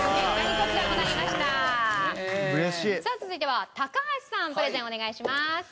さあ続いては高橋さんプレゼンお願いします。